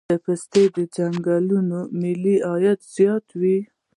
د پستې ځنګلونه ملي عاید زیاتوي.